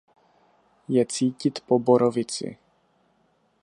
Je cítit po borovici.